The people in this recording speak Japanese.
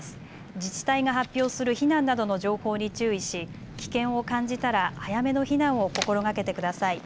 自治体が発表する避難などの情報に注意し、危険を感じたら早めの避難を心がけてください。